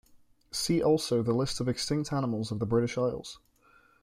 See also the list of extinct animals of the British Isles.